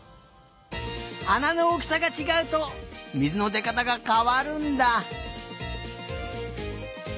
あなのおおきさがちがうとみずのでかたがかわるんだ。